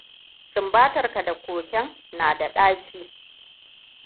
Sumbatarka da koken na da ɗaci.